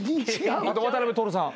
あと渡辺徹さん。